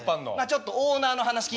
ちょっとオーナーの話聞いて。